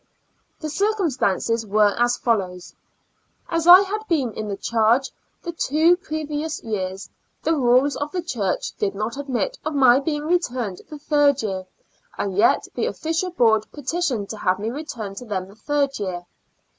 The circumstances were as follows : As I had been in the charge the two previous years, the rules of the church did not admit of my being returned the third year, and yet the official board petitioned to have me returned to them the third year.